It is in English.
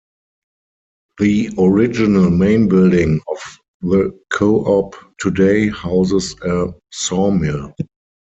The original main building of the co-op today houses a sawmill.